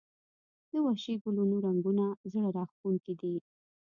د وحشي ګلونو رنګونه زړه راښکونکي دي